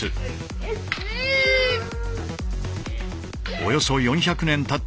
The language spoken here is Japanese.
およそ４００年たった